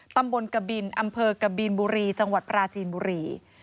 ตำบลกบินอำเภอกบินบุรีจังหวัดปราจีนบุรี